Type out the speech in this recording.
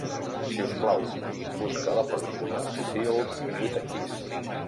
Si us plau, busca la pel·lícula Sealed with a Kiss.